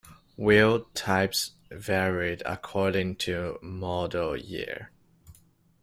Wheel types varied according to model year.